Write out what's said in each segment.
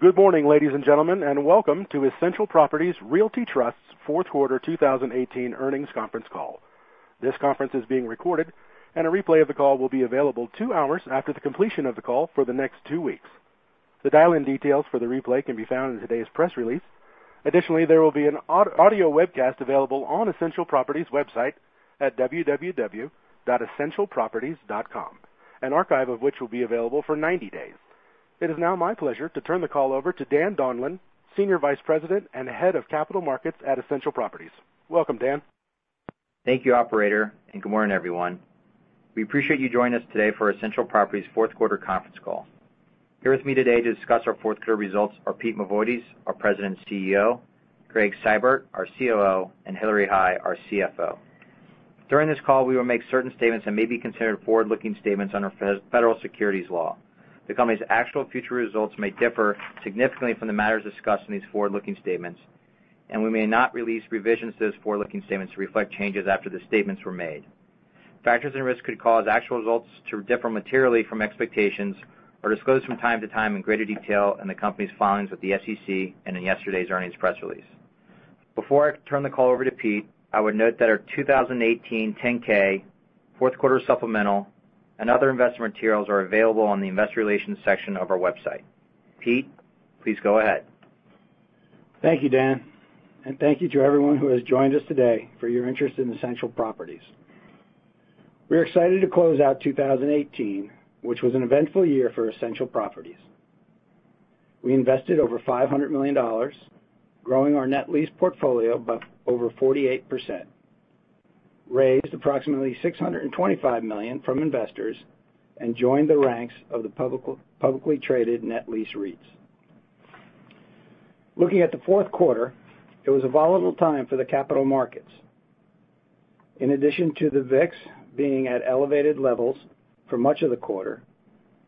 Good morning, ladies and gentlemen, and welcome to Essential Properties Realty Trust's fourth quarter 2018 earnings conference call. This conference is being recorded, and a replay of the call will be available two hours after the completion of the call for the next two weeks. The dial-in details for the replay can be found in today's press release. Additionally, there will be an audio webcast available on Essential Properties' website at www.essentialproperties.com, an archive of which will be available for 90 days. It is now my pleasure to turn the call over to Daniel Guglielmo, Senior Vice President and Head of Capital Markets at Essential Properties. Welcome, Daniel. Thank you, operator, and good morning, everyone. We appreciate you joining us today for Essential Properties' fourth quarter conference call. Here with me today to discuss our fourth quarter results are Pete Mavoides, our President and CEO, Gregg Seibert, our COO, and Hillary P. Hai, our CFO. During this call, we will make certain statements that may be considered forward-looking statements under federal securities law. The company's actual future results may differ significantly from the matters discussed in these forward-looking statements, and we may not release revisions to those forward-looking statements to reflect changes after the statements were made. Factors and risks could cause actual results to differ materially from expectations are disclosed from time to time in greater detail in the company's filings with the SEC and in yesterday's earnings press release. Before I turn the call over to Pete, I would note that our 2018 10-K, fourth quarter supplemental, and other investment materials are available on the investor relations section of our website. Pete, please go ahead. Thank you, Daniel, and thank you to everyone who has joined us today for your interest in Essential Properties. We are excited to close out 2018, which was an eventful year for Essential Properties. We invested over $500 million, growing our net lease portfolio by over 48%, raised approximately $625 million from investors, and joined the ranks of the publicly traded net lease REITs. Looking at the fourth quarter, it was a volatile time for the capital markets. In addition to the VIX being at elevated levels for much of the quarter,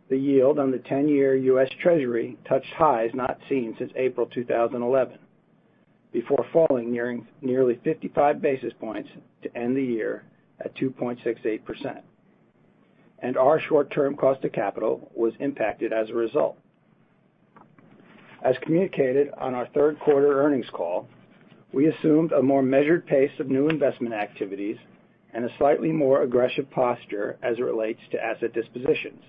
the yield on the 10-year U.S. Treasury touched highs not seen since April 2011, before falling nearly 55 basis points to end the year at 2.68%. Our short-term cost of capital was impacted as a result. As communicated on our third quarter earnings call, we assumed a more measured pace of new investment activities and a slightly more aggressive posture as it relates to asset dispositions,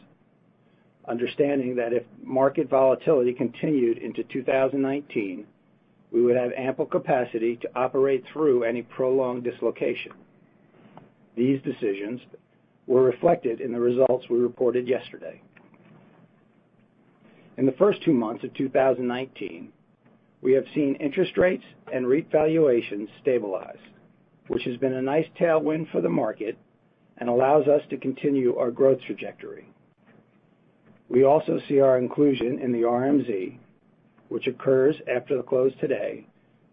understanding that if market volatility continued into 2019, we would have ample capacity to operate through any prolonged dislocation. These decisions were reflected in the results we reported yesterday. In the first two months of 2019, we have seen interest rates and REIT valuations stabilize, which has been a nice tailwind for the market and allows us to continue our growth trajectory. We also see our inclusion in the RMZ, which occurs after the close today,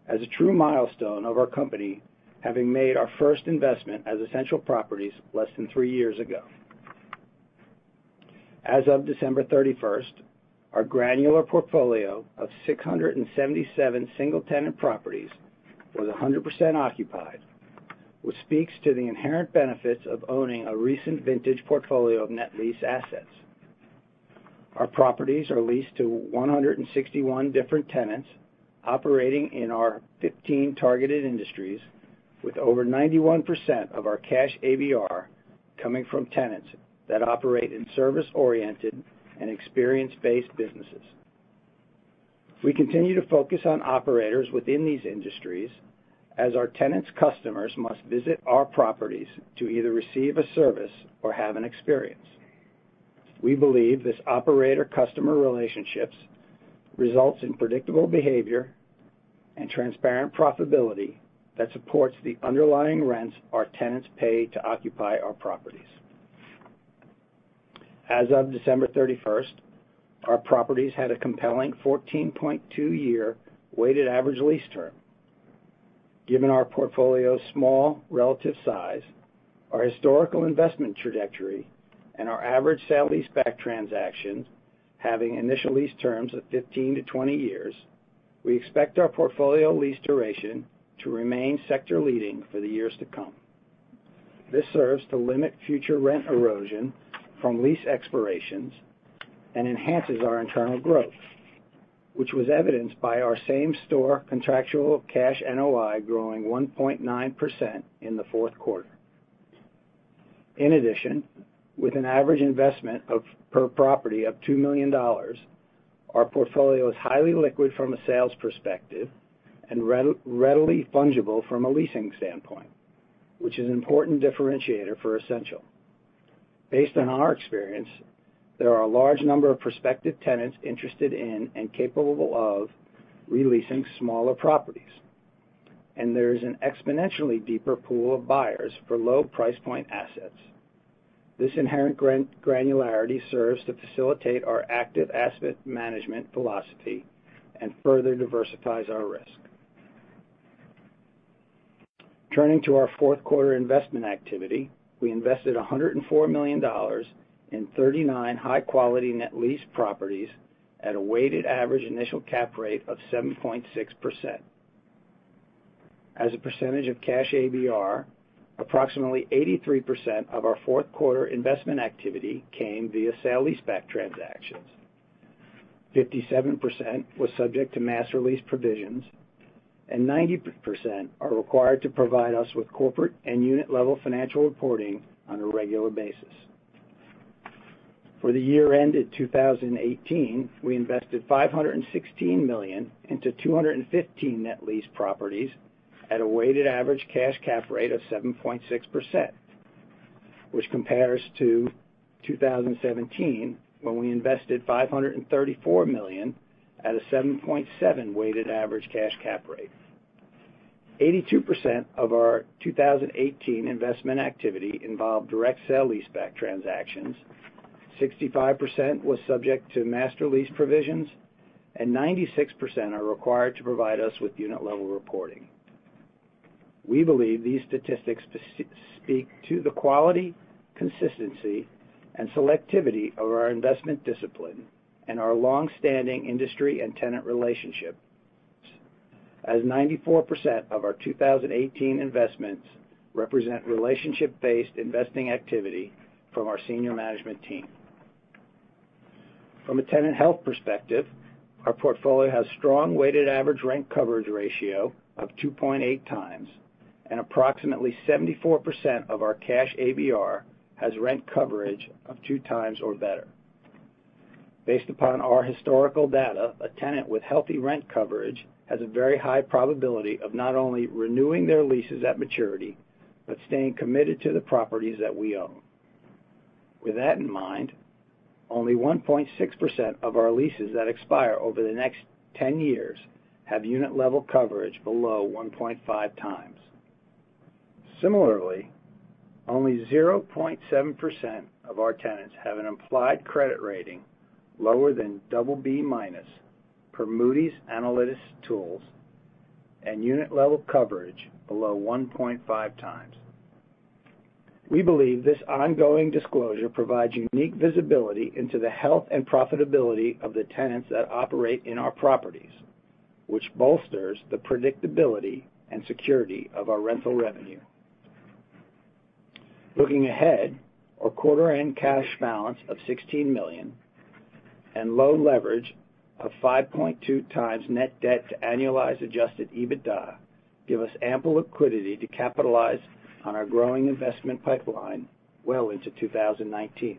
as a true milestone of our company having made our first investment as Essential Properties less than three years ago. As of December 31st, our granular portfolio of 677 single-tenant properties was 100% occupied, which speaks to the inherent benefits of owning a recent vintage portfolio of net lease assets. Our properties are leased to 161 different tenants operating in our 15 targeted industries with over 91% of our cash ABR coming from tenants that operate in service-oriented and experience-based businesses. We continue to focus on operators within these industries as our tenants' customers must visit our properties to either receive a service or have an experience. We believe this operator-customer relationships results in predictable behavior and transparent profitability that supports the underlying rents our tenants pay to occupy our properties. As of December 31st, our properties had a compelling 14.2 year weighted average lease term. Given our portfolio's small relative size, our historical investment trajectory, and our average sale-leaseback transactions having initial lease terms of 15 to 20 years, we expect our portfolio lease duration to remain sector leading for the years to come. This serves to limit future rent erosion from lease expirations and enhances our internal growth, which was evidenced by our same store contractual cash NOI growing 1.9% in the fourth quarter. In addition, with an average investment per property of $2 million, our portfolio is highly liquid from a sales perspective and readily fungible from a leasing standpoint, which is an important differentiator for Essential. Based on our experience, there are a large number of prospective tenants interested in and capable of re-leasing smaller properties, and there is an exponentially deeper pool of buyers for low price point assets. This inherent granularity serves to facilitate our active asset management velocity and further diversifies our risk. Turning to our fourth quarter investment activity, we invested $104 million in 39 high-quality net lease properties at a weighted average initial cap rate of 7.6%. As a percentage of cash ABR, approximately 83% of our fourth quarter investment activity came via sale-leaseback transactions. 57% was subject to master lease provisions, and 90% are required to provide us with corporate and unit-level financial reporting on a regular basis. For the year-end in 2018, we invested $516 million into 215 net lease properties at a weighted average cash cap rate of 7.6%, which compares to 2017, when we invested $534 million at a 7.7% weighted average cash cap rate. 82% of our 2018 investment activity involved direct sale-leaseback transactions, 65% was subject to master lease provisions, and 96% are required to provide us with unit-level reporting. We believe these statistics speak to the quality, consistency, and selectivity of our investment discipline and our longstanding industry and tenant relationships, as 94% of our 2018 investments represent relationship-based investing activity from our senior management team. From a tenant health perspective, our portfolio has strong weighted average rent coverage ratio of 2.8 times, and approximately 74% of our cash ABR has rent coverage of two times or better. Based upon our historical data, a tenant with healthy rent coverage has a very high probability of not only renewing their leases at maturity, but staying committed to the properties that we own. With that in mind, only 1.6% of our leases that expire over the next 10 years have unit-level coverage below 1.5 times. Similarly, only 0.7% of our tenants have an implied credit rating lower than double B minus per Moody's Analytics tools and unit-level coverage below 1.5 times. We believe this ongoing disclosure provides unique visibility into the health and profitability of the tenants that operate in our properties, which bolsters the predictability and security of our rental revenue. Looking ahead, our quarter-end cash balance of $16 million and low leverage of 5.2 times net debt to annualized adjusted EBITDA give us ample liquidity to capitalize on our growing investment pipeline well into 2019.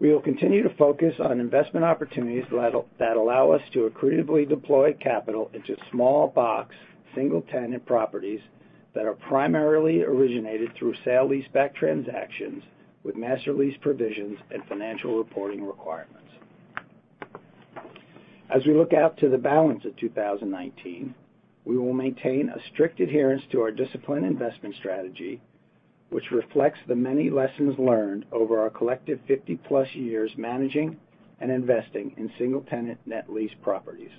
We will continue to focus on investment opportunities that allow us to accretively deploy capital into small box, single-tenant properties that are primarily originated through sale-leaseback transactions with master lease provisions and financial reporting requirements. As we look out to the balance of 2019, we will maintain a strict adherence to our discipline investment strategy, which reflects the many lessons learned over our collective 50-plus years managing and investing in single-tenant net lease properties.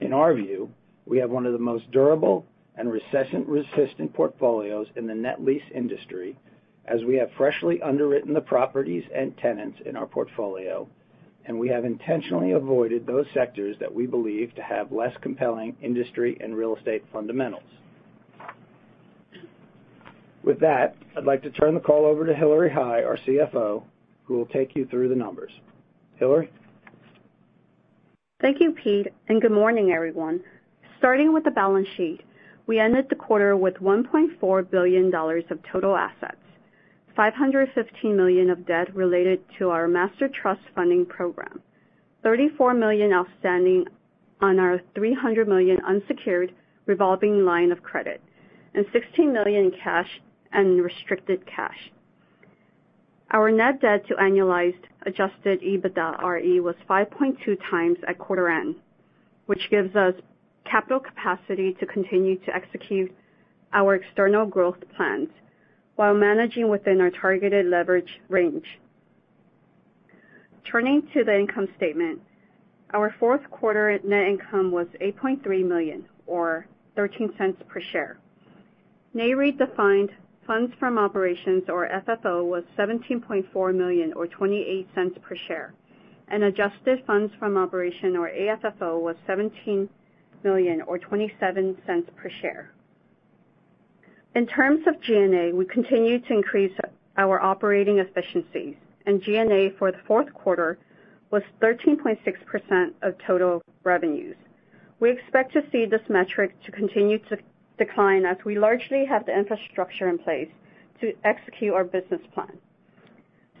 In our view, we have one of the most durable and recession-resistant portfolios in the net lease industry, as we have freshly underwritten the properties and tenants in our portfolio, and we have intentionally avoided those sectors that we believe to have less compelling industry and real estate fundamentals. With that, I'd like to turn the call over to Hillary Hai, our CFO, who will take you through the numbers. Hillary? Thank you, Pete. Good morning, everyone. Starting with the balance sheet, we ended the quarter with $1.4 billion of total assets, $515 million of debt related to our master trust funding program, $34 million outstanding on our $300 million unsecured revolving line of credit, and $16 million in cash and restricted cash. Our net debt to annualized adjusted EBITDAre was 5.2 times at quarter end, which gives us capital capacity to continue to execute our external growth plans while managing within our targeted leverage range. Turning to the income statement, our fourth quarter net income was $8.3 million or $0.13 per share. NAREIT-defined funds from operations, or FFO, was $17.4 million or $0.28 per share, and adjusted funds from operation, or AFFO, was $17 million or $0.27 per share. In terms of G&A, we continue to increase our operating efficiencies. G&A for the fourth quarter was 13.6% of total revenues. We expect to see this metric to continue to decline as we largely have the infrastructure in place to execute our business plan.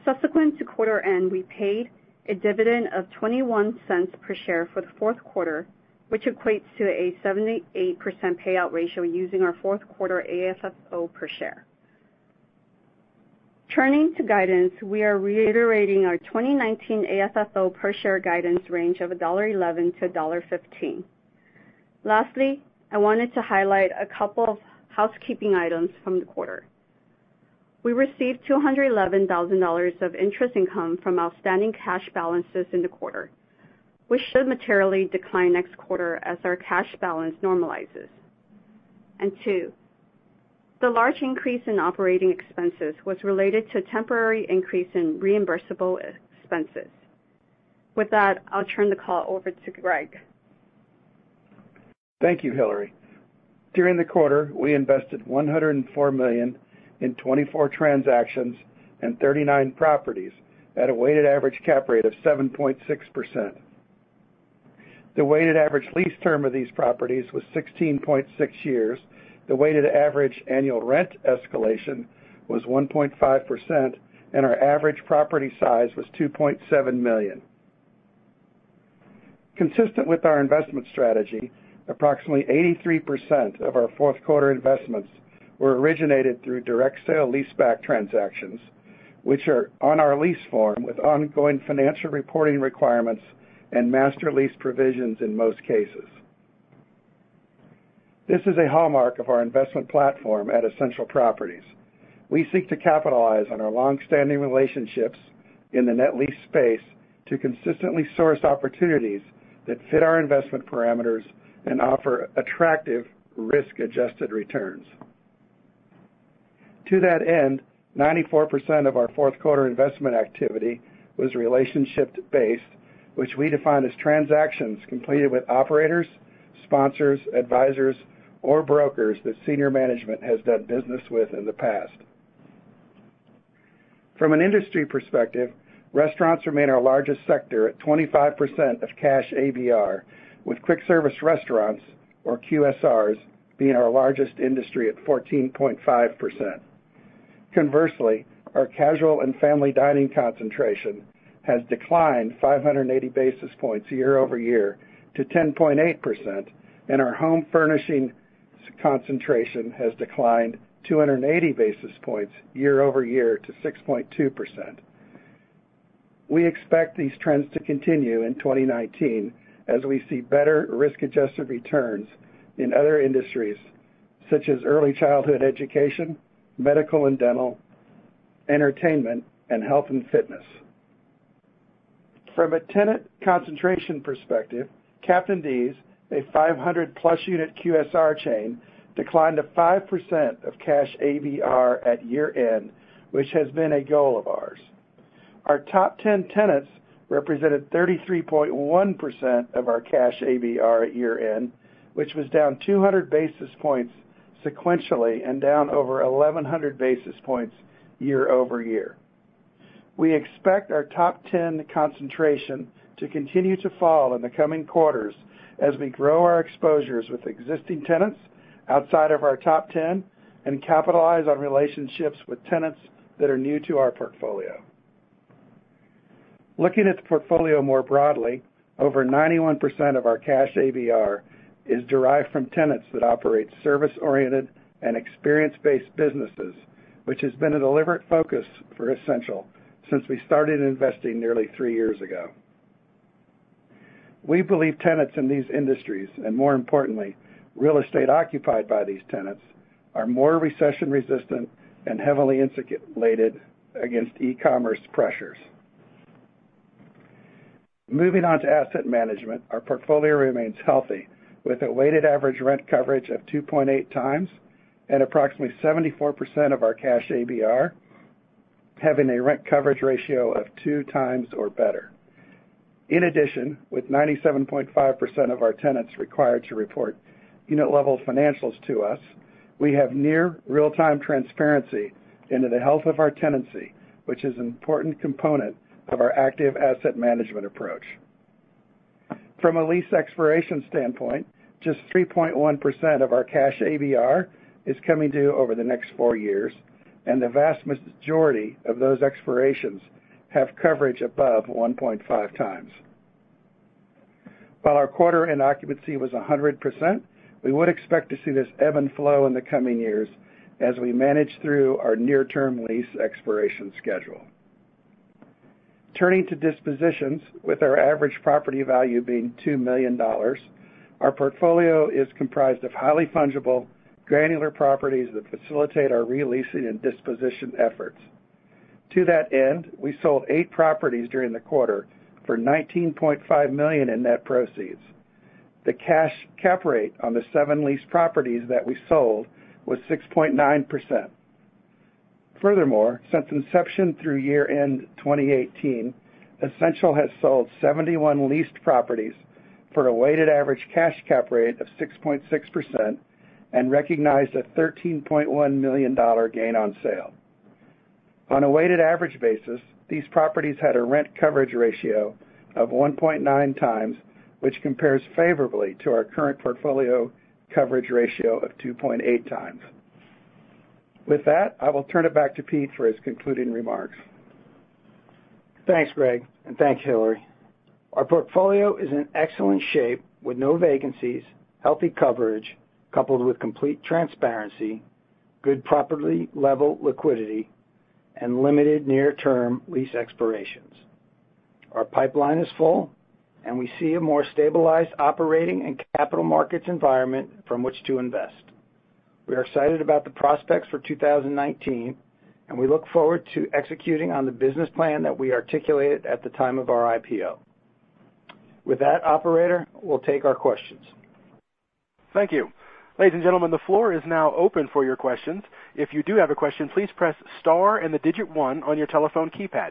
Subsequent to quarter end, we paid a dividend of $0.21 per share for the fourth quarter, which equates to a 78% payout ratio using our fourth quarter AFFO per share. Turning to guidance, we are reiterating our 2019 AFFO per share guidance range of $1.11-$1.15. Lastly, I wanted to highlight a couple of housekeeping items from the quarter. We received $211,000 of interest income from outstanding cash balances in the quarter, which should materially decline next quarter as our cash balance normalizes. Two. The large increase in operating expenses was related to temporary increase in reimbursable expenses. With that, I'll turn the call over to Gregg. Thank you, Hillary. During the quarter, we invested $104 million in 24 transactions and 39 properties at a weighted average cap rate of 7.6%. The weighted average lease term of these properties was 16.6 years. The weighted average annual rent escalation was 1.5%. Our average property size was 2.7 million. Consistent with our investment strategy, approximately 83% of our fourth quarter investments were originated through direct sale-leaseback transactions, which are on our lease form with ongoing financial reporting requirements and master lease provisions in most cases. This is a hallmark of our investment platform at Essential Properties. We seek to capitalize on our long-standing relationships in the net lease space to consistently source opportunities that fit our investment parameters and offer attractive risk-adjusted returns. To that end, 94% of our fourth quarter investment activity was relationship-based, which we define as transactions completed with operators, sponsors, advisors, or brokers that senior management has done business with in the past. From an industry perspective, restaurants remain our largest sector at 25% of cash ABR, with quick service restaurants, or QSRs, being our largest industry at 14.5%. Conversely, our casual and family dining concentration has declined 580 basis points year-over-year to 10.8%. Our home furnishing concentration has declined 280 basis points year-over-year to 6.2%. We expect these trends to continue in 2019 as we see better risk-adjusted returns in other industries such as early childhood education, medical and dental, entertainment, and health and fitness. From a tenant concentration perspective, Captain D's, a 500-plus unit QSR chain, declined to 5% of cash ABR at year-end, which has been a goal of ours. Our top 10 tenants represented 33.1% of our cash ABR at year-end, which was down 200 basis points sequentially and down over 1,100 basis points year-over-year. We expect our top 10 concentration to continue to fall in the coming quarters as we grow our exposures with existing tenants outside of our top 10 and capitalize on relationships with tenants that are new to our portfolio. Looking at the portfolio more broadly, over 91% of our cash ABR is derived from tenants that operate service-oriented and experience-based businesses, which has been a deliberate focus for Essential since we started investing nearly three years ago. We believe tenants in these industries, and more importantly, real estate occupied by these tenants, are more recession-resistant and heavily insulated against e-commerce pressures. Moving on to asset management, our portfolio remains healthy, with a weighted average rent coverage of 2.8 times and approximately 74% of our cash ABR having a rent coverage ratio of two times or better. In addition, with 97.5% of our tenants required to report unit-level financials to us, we have near real-time transparency into the health of our tenancy, which is an important component of our active asset management approach. From a lease expiration standpoint, just 3.1% of our cash ABR is coming due over the next four years, and the vast majority of those expirations have coverage above 1.5 times. While our quarter-end occupancy was 100%, we would expect to see this ebb and flow in the coming years as we manage through our near-term lease expiration schedule. Turning to dispositions, with our average property value being $2 million, our portfolio is comprised of highly fungible, granular properties that facilitate our releasing and disposition efforts. To that end, we sold eight properties during the quarter for $19.5 million in net proceeds. The cash cap rate on the seven leased properties that we sold was 6.9%. Furthermore, since inception through year-end 2018, Essential has sold 71 leased properties for a weighted average cash cap rate of 6.6% and recognized a $13.1 million gain on sale. On a weighted average basis, these properties had a rent coverage ratio of 1.9 times, which compares favorably to our current portfolio coverage ratio of 2.8 times. With that, I will turn it back to Pete for his concluding remarks. Thanks, Gregg, and thanks, Hillary. Our portfolio is in excellent shape with no vacancies, healthy coverage coupled with complete transparency, good property-level liquidity, and limited near-term lease expirations. Our pipeline is full, and we see a more stabilized operating and capital markets environment from which to invest. We are excited about the prospects for 2019, and we look forward to executing on the business plan that we articulated at the time of our IPO. With that, operator, we'll take our questions. Thank you. Ladies and gentlemen, the floor is now open for your questions. If you do have a question, please press star and the digit one on your telephone keypad.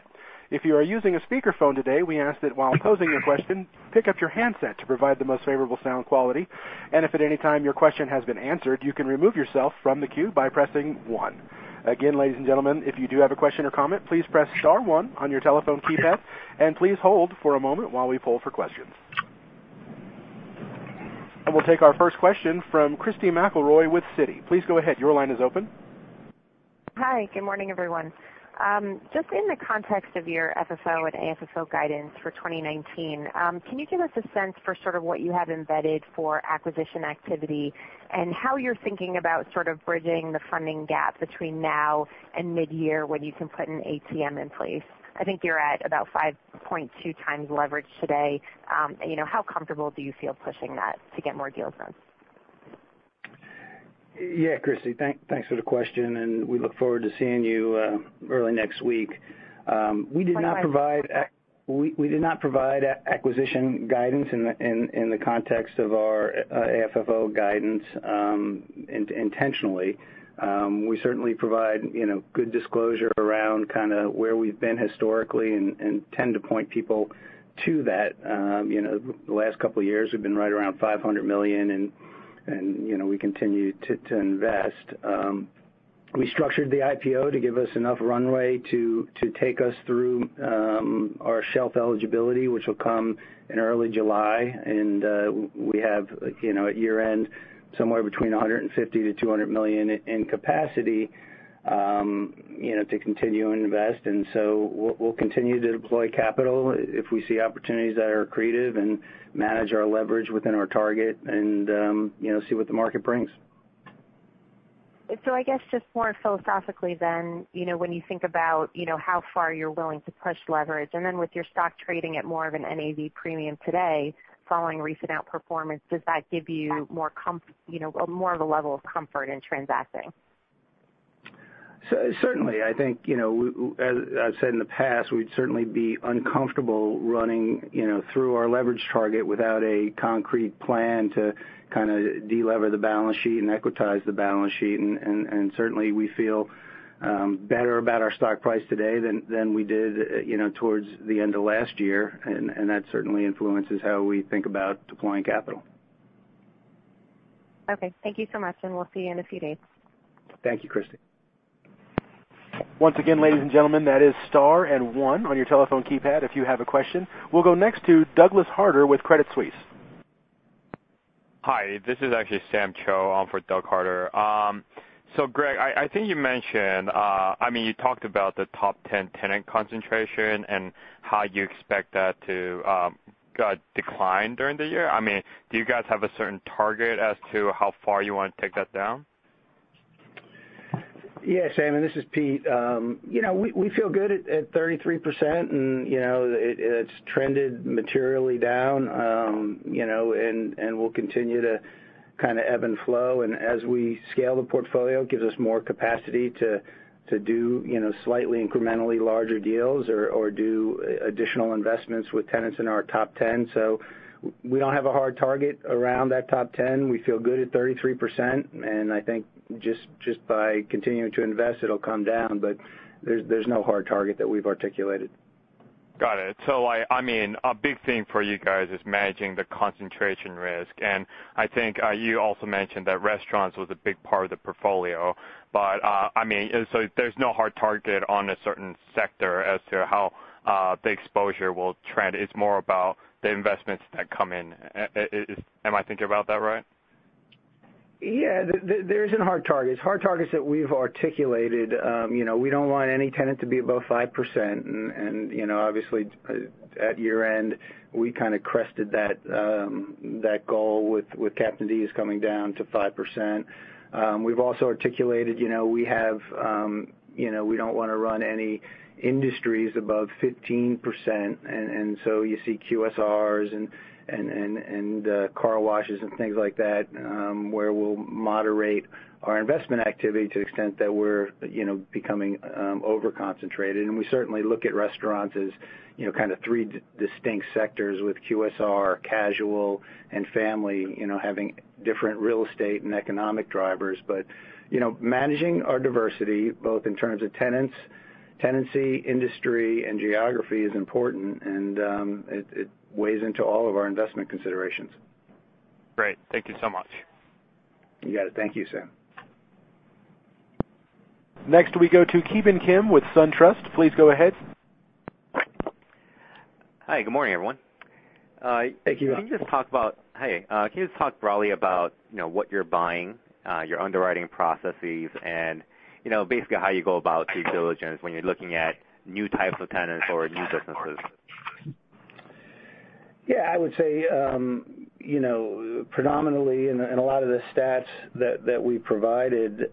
If you are using a speakerphone today, we ask that while posing your question, pick up your handset to provide the most favorable sound quality. If at any time your question has been answered, you can remove yourself from the queue by pressing one. Again, ladies and gentlemen, if you do have a question or comment, please press star one on your telephone keypad, and please hold for a moment while we pull for questions. We'll take our first question from Christy McElroy with Citi. Please go ahead. Your line is open. Hi, good morning, everyone. Just in the context of your FFO and AFFO guidance for 2019, can you give us a sense for sort of what you have embedded for acquisition activity and how you're thinking about sort of bridging the funding gap between now and mid-year when you can put an ATM in place? I think you're at about 5.2 times leverage today. How comfortable do you feel pushing that to get more deals done? Yeah, Christy, thanks for the question. We look forward to seeing you early next week. We did not provide acquisition guidance in the context of our AFFO guidance intentionally. We certainly provide good disclosure around kind of where we've been historically and tend to point people to that. The last couple of years, we've been right around $500 million. We continue to invest. We structured the IPO to give us enough runway to take us through our shelf eligibility, which will come in early July. We have, at year-end, somewhere between $150 million-$200 million in capacity to continue and invest. We'll continue to deploy capital if we see opportunities that are accretive and manage our leverage within our target and see what the market brings. I guess just more philosophically then, when you think about how far you're willing to push leverage, with your stock trading at more of an NAV premium today following recent outperformance, does that give you more of a level of comfort in transacting? Certainly. I think, as I've said in the past, we'd certainly be uncomfortable running through our leverage target without a concrete plan to kind of de-lever the balance sheet and equitize the balance sheet. Certainly, we feel better about our stock price today than we did towards the end of last year, and that certainly influences how we think about deploying capital. Okay. Thank you so much, and we'll see you in a few days. Thank you, Christy. Once again, ladies and gentlemen, that is star and one on your telephone keypad if you have a question. We'll go next to Douglas Harter with Credit Suisse. Hi, this is actually Sam Cho on for Doug Harter. Gregg, I think you mentioned, you talked about the top 10 tenant concentration and how you expect that to decline during the year. Do you guys have a certain target as to how far you want to take that down? Yeah, Sam, this is Peter. We feel good at 33%, it's trended materially down, and we'll continue to kind of ebb and flow. As we scale the portfolio, it gives us more capacity to do slightly incrementally larger deals or do additional investments with tenants in our top 10. We don't have a hard target around that top 10. We feel good at 33%, and I think just by continuing to invest, it'll come down, but there's no hard target that we've articulated. Got it. A big thing for you guys is managing the concentration risk, and I think you also mentioned that restaurants was a big part of the portfolio. There's no hard target on a certain sector as to how the exposure will trend. It's more about the investments that come in. Am I thinking about that right? Yeah. There isn't hard targets, hard targets that we've articulated. We don't want any tenant to be above 5%. Obviously, at year-end, we kind of crested that goal with Captain D's coming down to 5%. We've also articulated we don't want to run any industries above 15%. You see QSRs and car washes and things like that, where we'll moderate our investment activity to the extent that we're becoming over-concentrated. We certainly look at restaurants as kind of three distinct sectors with QSR, casual, and family, having different real estate and economic drivers. Managing our diversity, both in terms of tenants, tenancy, industry, and geography is important, and it weighs into all of our investment considerations. Great. Thank you so much. You got it. Thank you, Sam. Next, we go to Kevin Kim with SunTrust. Please go ahead. Hi, good morning, everyone. Thank you. Hi. Can you just talk broadly about what you're buying, your underwriting processes, and basically how you go about due diligence when you're looking at new types of tenants or new businesses? Yeah, I would say predominantly, a lot of the stats that we provided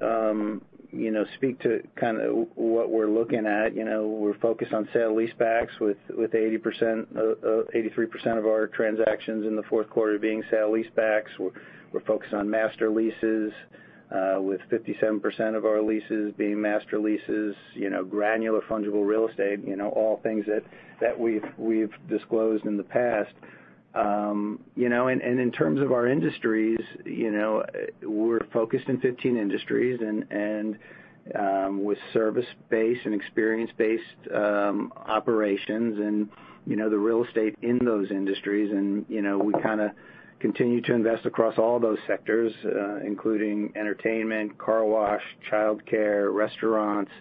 speak to kind of what we're looking at. We're focused on sale-leasebacks with 83% of our transactions in the fourth quarter being sale-leasebacks. We're focused on master leases, with 57% of our leases being master leases, granular fungible real estate, all things that we've disclosed in the past. In terms of our industries, we're focused in 15 industries, with service-based and experience-based operations and the real estate in those industries. We kind of continue to invest across all those sectors, including entertainment, car wash, childcare, restaurants.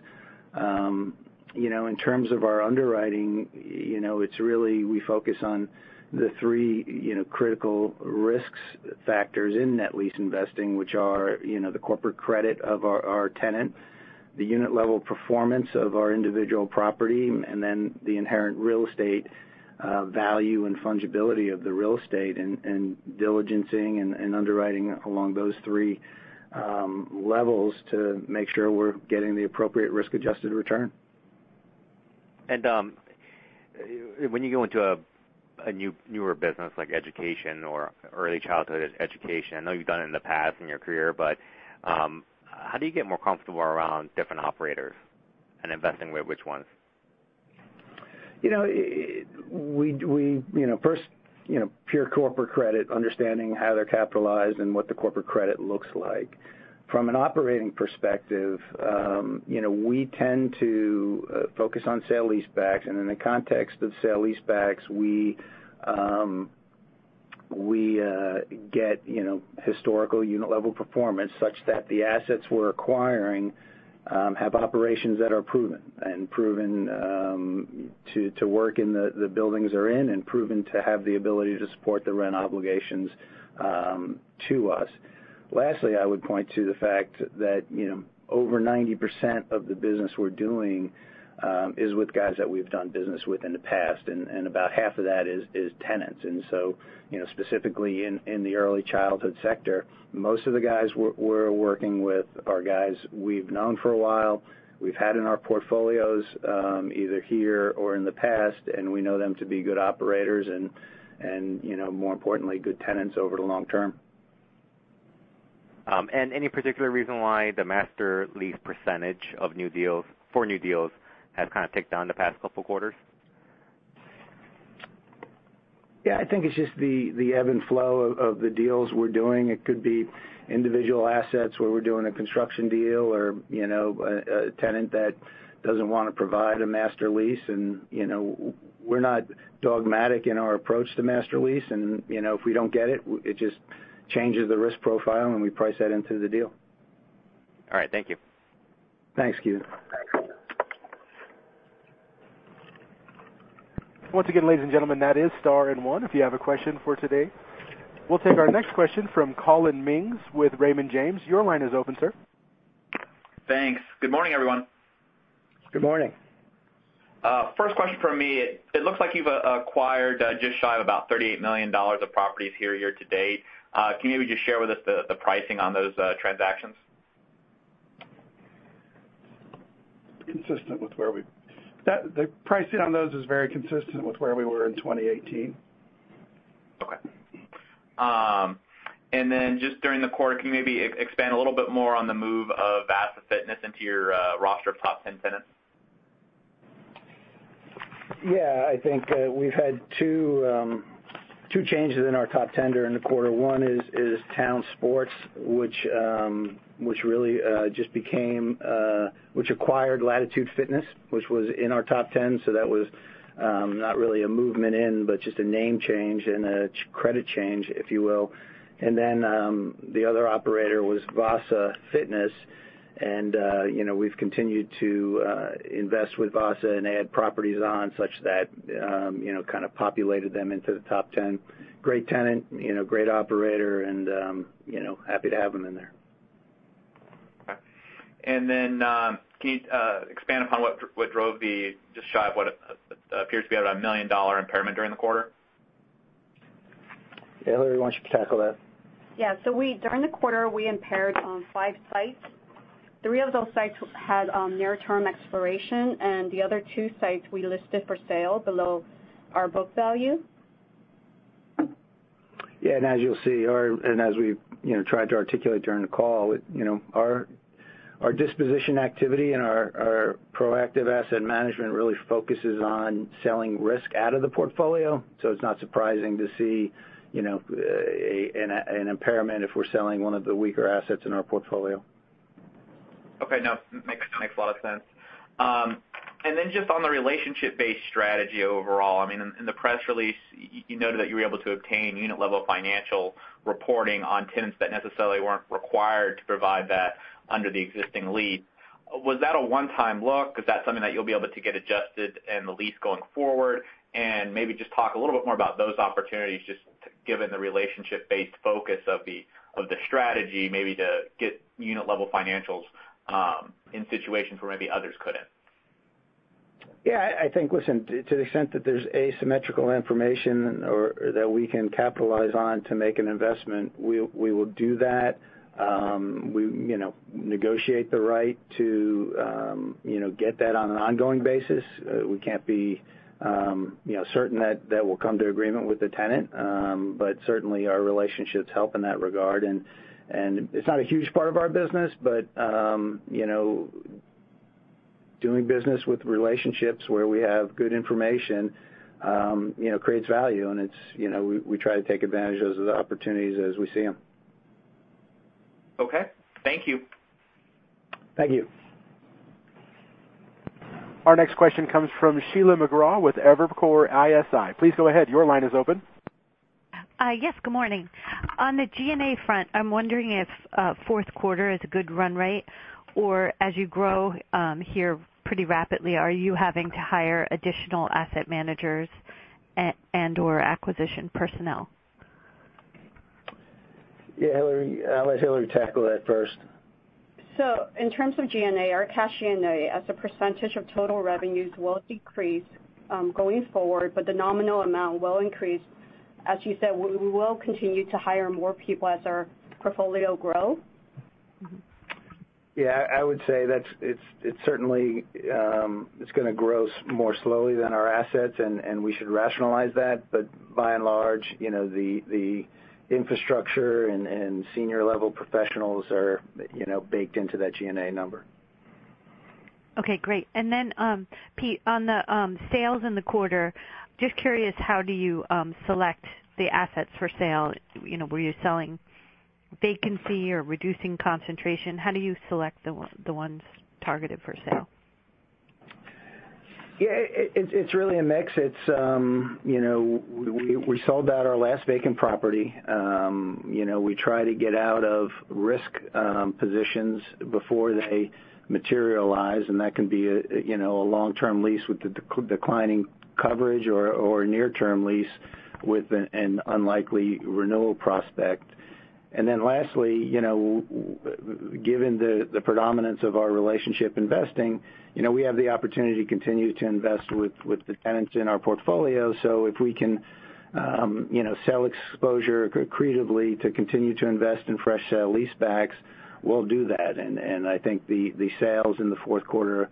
In terms of our underwriting, we focus on the three critical risks factors in net lease investing, which are the corporate credit of our tenant, the unit level performance of our individual property, and then the inherent real estate value and fungibility of the real estate, and diligencing and underwriting along those three levels to make sure we're getting the appropriate risk-adjusted return. When you go into a newer business like education or early childhood education, I know you've done it in the past in your career, but how do you get more comfortable around different operators and investing with which ones? First, pure corporate credit, understanding how they're capitalized and what the corporate credit looks like. From an operating perspective, we tend to focus on sale-leasebacks. In the context of sale-leasebacks, we get historical unit level performance such that the assets we're acquiring have operations that are proven, and proven to work in the buildings they're in, and proven to have the ability to support the rent obligations to us. Lastly, I would point to the fact that over 90% of the business we're doing is with guys that we've done business with in the past, and about half of that is tenants. Specifically in the early childhood sector, most of the guys we're working with are guys we've known for a while, we've had in our portfolios, either here or in the past, and we know them to be good operators and more importantly, good tenants over the long term. Any particular reason why the master lease percentage for new deals has kind of ticked down the past couple quarters? Yeah. I think it's just the ebb and flow of the deals we're doing. It could be individual assets where we're doing a construction deal or a tenant that doesn't want to provide a master lease, and we're not dogmatic in our approach to master lease. If we don't get it just changes the risk profile, and we price that into the deal. All right. Thank you. Thanks, Kevin. Once again, ladies and gentlemen, that is star and one, if you have a question for today. We'll take our next question from Collin Mings with Raymond James. Your line is open, sir. Thanks. Good morning, everyone. Good morning. First question from me. It looks like you've acquired just shy of about $38 million of properties here year-to-date. Can you maybe just share with us the pricing on those transactions? The pricing on those is very consistent with where we were in 2018. Okay. Just during the quarter, can you maybe expand a little bit more on the move of VASA Fitness into your roster of top 10 tenants? Yeah. I think we've had two changes in our top 10 during the quarter. One is Town Sports, which acquired Latitude Sports Clubs, which was in our top 10. That was not really a movement in, but just a name change and a credit change, if you will. The other operator was VASA Fitness, and we've continued to invest with VASA, and they had properties on such that kind of populated them into the top 10. Great tenant, great operator, and happy to have them in there. Okay. Can you expand upon what drove the just shy of what appears to be about a $1 million impairment during the quarter? Yeah. Hillary, why don't you tackle that? Yeah. During the quarter, we impaired five sites. Three of those sites had near-term expiration, and the other two sites we listed for sale below our book value. Yeah. As you'll see, and as we tried to articulate during the call, our disposition activity and our proactive asset management really focuses on selling risk out of the portfolio. It's not surprising to see an impairment if we're selling one of the weaker assets in our portfolio. Okay. No, makes a lot of sense. Then just on the relationship-based strategy overall, I mean, in the press release, you noted that you were able to obtain unit level financial reporting on tenants that necessarily weren't required to provide that under the existing lease. Was that a one-time look? Is that something that you'll be able to get adjusted in the lease going forward? Maybe just talk a little bit more about those opportunities, just given the relationship-based focus of the strategy, maybe to get unit level financials in situations where maybe others couldn't. Yeah. I think, listen, to the extent that there's asymmetrical information that we can capitalize on to make an investment, we will do that. We negotiate the right to get that on an ongoing basis. We can't be certain that we'll come to agreement with the tenant. Certainly, our relationships help in that regard, and it's not a huge part of our business. Doing business with relationships where we have good information creates value, and we try to take advantage of those opportunities as we see them. Okay. Thank you. Thank you. Our next question comes from Sheila McGrath with Evercore ISI. Please go ahead. Your line is open. Yes, good morning. On the G&A front, I'm wondering if fourth quarter is a good run rate or as you grow here pretty rapidly, are you having to hire additional asset managers and/or acquisition personnel? Yeah, Hillary. I'll let Hillary tackle that first. In terms of G&A, our cash G&A as a % of total revenues will decrease going forward, but the nominal amount will increase. As you said, we will continue to hire more people as our portfolio grows. Yeah, I would say that it's going to grow more slowly than our assets, and we should rationalize that. By and large, the infrastructure and senior-level professionals are baked into that G&A number. Okay, great. Then, Pete, on the sales in the quarter, just curious, how do you select the assets for sale? Were you selling vacancy or reducing concentration? How do you select the ones targeted for sale? Yeah, it is really a mix. We sold out our last vacant property. We try to get out of risk positions before they materialize. That can be a long-term lease with declining coverage or a near-term lease with an unlikely renewal prospect. Lastly, given the predominance of our relationship investing, we have the opportunity to continue to invest with the tenants in our portfolio. If we can sell exposure creatively to continue to invest in fresh sale-leasebacks, we will do that. I think the sales in the fourth quarter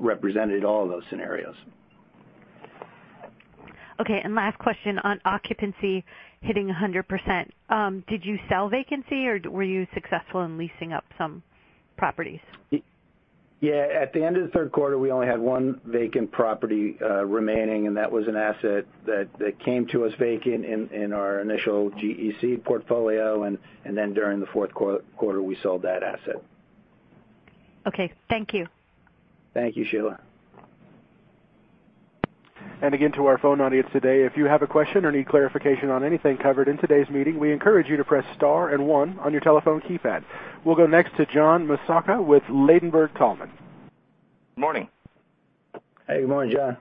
represented all of those scenarios. Okay. Last question on occupancy hitting 100%. Did you sell vacancy or were you successful in leasing up some properties? Yeah. At the end of the third quarter, we only had one vacant property remaining. That was an asset that came to us vacant in our initial GE portfolio. During the fourth quarter, we sold that asset. Okay. Thank you. Thank you, Sheila. Again, to our phone audience today, if you have a question or need clarification on anything covered in today's meeting, we encourage you to press star and one on your telephone keypad. We'll go next to John Massocca with Ladenburg Thalmann. Morning. Hey, good morning, John.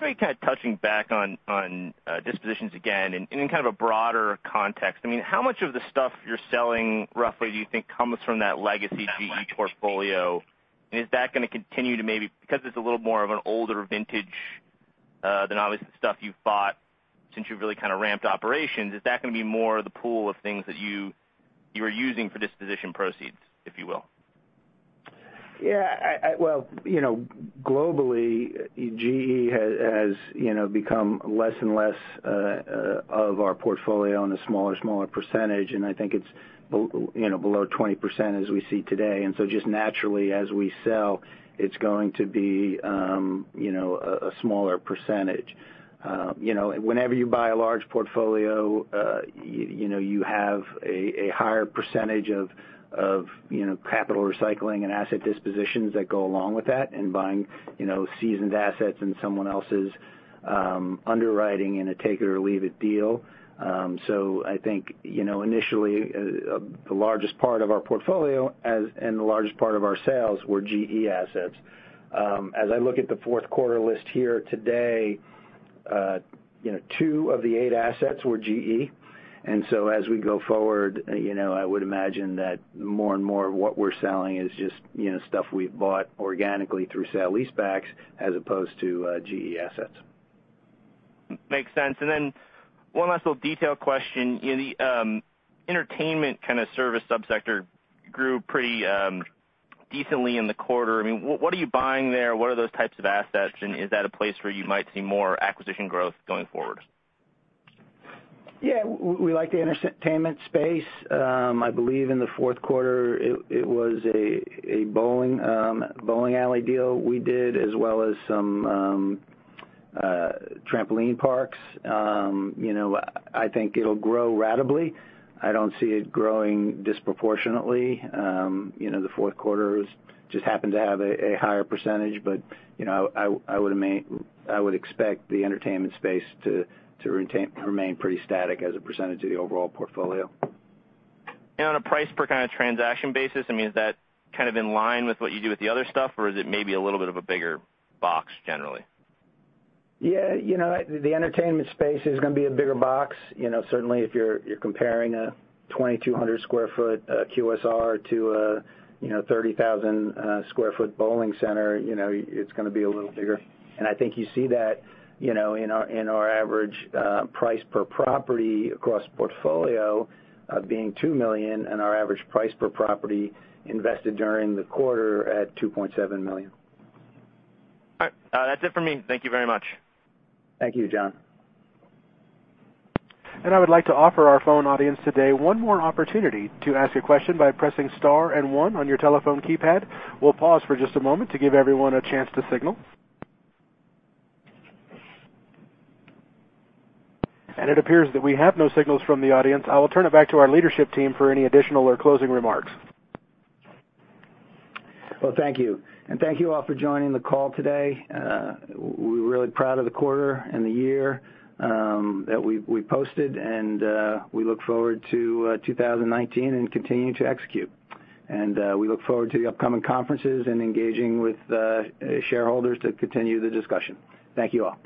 Maybe kind of touching back on dispositions again in kind of a broader context. How much of the stuff you're selling roughly do you think comes from that legacy GE portfolio? Is that going to continue to maybe, because it's a little more of an older vintage than obviously stuff you've bought since you've really kind of ramped operations, is that going to be more the pool of things that you are using for disposition proceeds, if you will? Well, globally, GE has become less and less of our portfolio and a smaller percentage, I think it's below 20% as we see today. Just naturally, as we sell, it's going to be a smaller percentage. Whenever you buy a large portfolio, you have a higher percentage of capital recycling and asset dispositions that go along with that and buying seasoned assets in someone else's underwriting in a take it or leave it deal. I think initially, the largest part of our portfolio and the largest part of our sales were GE assets. As I look at the fourth quarter list here today, two of the eight assets were GE. As we go forward, I would imagine that more and more of what we're selling is just stuff we've bought organically through sale-leasebacks as opposed to GE assets. Makes sense. One last little detail question. The entertainment kind of service sub-sector grew pretty decently in the quarter. What are you buying there? What are those types of assets? Is that a place where you might see more acquisition growth going forward? We like the entertainment space. I believe in the fourth quarter, it was a bowling alley deal we did, as well as some trampoline parks. I think it'll grow ratably. I don't see it growing disproportionately. The fourth quarter just happened to have a higher percentage. I would expect the entertainment space to remain pretty static as a percentage of the overall portfolio. On a price per kind of transaction basis, is that kind of in line with what you do with the other stuff, or is it maybe a little bit of a bigger box generally? Yeah. The entertainment space is going to be a bigger box. Certainly, if you're comparing a 2,200 sq ft QSR to a 30,000 sq ft bowling center, it's going to be a little bigger. I think you see that in our average price per property across the portfolio being $2 million and our average price per property invested during the quarter at $2.7 million. All right. That's it for me. Thank you very much. Thank you, John. I would like to offer our phone audience today one more opportunity to ask a question by pressing star and one on your telephone keypad. We'll pause for just a moment to give everyone a chance to signal. It appears that we have no signals from the audience. I will turn it back to our leadership team for any additional or closing remarks. Well, thank you. Thank you all for joining the call today. We're really proud of the quarter and the year that we posted, and we look forward to 2019 and continuing to execute. We look forward to the upcoming conferences and engaging with shareholders to continue the discussion. Thank you all.